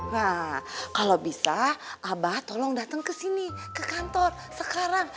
nah kalau bisa abah tolong datang ke sini ke kantor sekarang